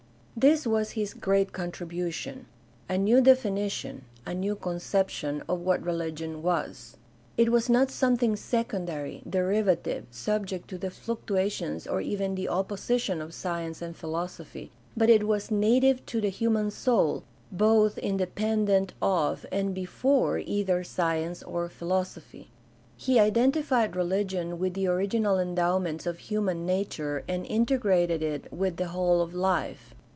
This was his great contribution — a new definition, a new conception of what religion was. It was not something secondary, derivative, subject to the fluctuations or even the opposition of science and philosophy, but it was native to the human soul, both independent of and before either science or philosophy. He identified religion with the original endowments of human nature and integrated it with the whole of life.